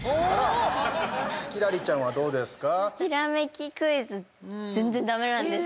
輝星ちゃんはどうですか？